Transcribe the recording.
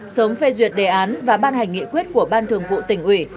sớm phê duyệt đề án và ban hành nghị quyết của ban thường vụ tỉnh ủy